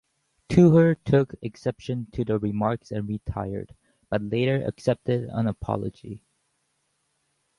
Tooher took exception to the remarks and retired, but later accepted an apology.